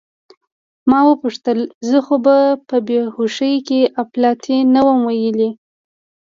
ما وپوښتل: زه خو به په بې هوښۍ کې اپلتې نه وم ویلي؟